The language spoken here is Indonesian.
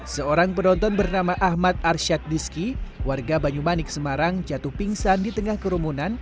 seorang penonton bernama ahmad arsyad diski warga banyumanik semarang jatuh pingsan di tengah kerumunan